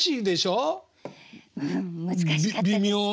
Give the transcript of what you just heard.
うん難しかったです。